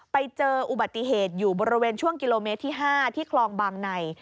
ไปเจออุบัติเหตุอยู่บริเวณช่วงกิโลเมตรที่๕ที่คลองบางใน